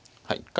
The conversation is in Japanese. はい。